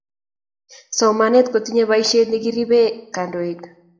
somanet kotinyei paisiet nekiripei kandoik